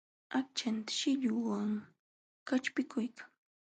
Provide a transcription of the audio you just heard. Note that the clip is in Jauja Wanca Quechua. Aqchantan shillunwan qaćhpikuykan.